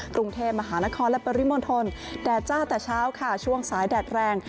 กรุงเทพมหานครและปริมณฑลแดดจ้าแต่เช้าค่ะช่วงสายแดดแรง